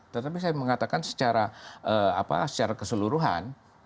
tetapi saya mengatakan secara keseluruhan